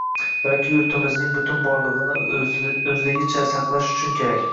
Balki yurtimizning butun borligʻini oʻzligicha saqlash uchun kerak